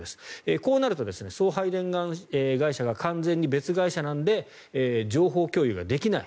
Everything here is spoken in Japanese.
こうなると送配電会社が完全に別会社なので情報共有ができない。